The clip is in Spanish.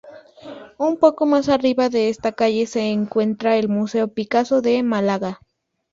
Un poco más arriba de esta calle se encuentra el Museo Picasso de Málaga.